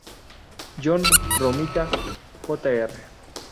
John Romita, Jr.